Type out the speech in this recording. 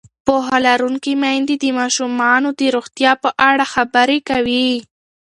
پوهه لرونکې میندې د ماشومانو د روغتیا په اړه خبرې کوي.